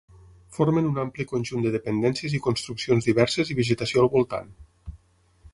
Formen un ampli conjunt de dependències i construccions diverses i vegetació al voltant.